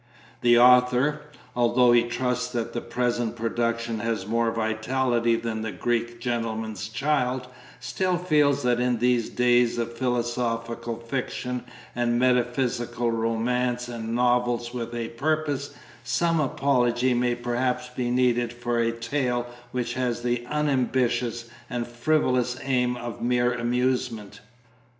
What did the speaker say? The Author, although he trusts that the present production has more vitality than the Greek gentleman's child, still feels that in these days of philosophical fiction, metaphysical romance, and novels with a purpose, some apology may perhaps be needed for a tale which has the unambitious and frivolous aim of mere amusement.